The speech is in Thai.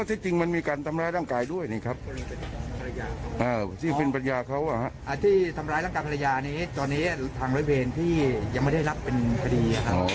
อ่าที่ทำร้ายร่างกายภัณฑ์ภัณฑ์นี้ตอนนี้ทางบริเวณที่ยังไม่ได้รับเป็นพอดีอ่ะครับ